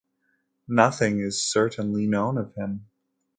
Nothing is certainly known of him.